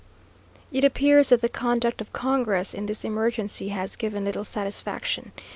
It appears that the conduct of congress in this emergency has given little satisfaction.